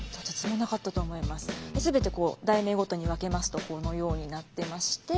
全て題名ごとに分けますとこのようになってまして。